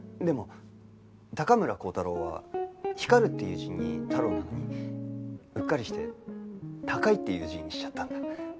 でも高村光太郎は「光る」っていう字に「太郎」なのにうっかりして「高い」っていう字にしちゃったんだ。